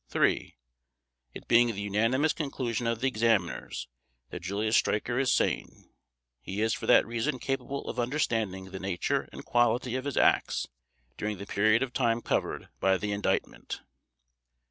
3) It being the unanimous conclusion of the examiners that Julius Streicher is sane, he is for that reason capable of understanding the nature and quality of his acts during the period of time covered by the Indictment.